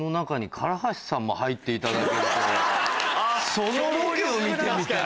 そのロケを見てみたい。